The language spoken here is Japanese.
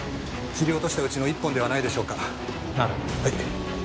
切り落としたうちの一本ではないでしょうか。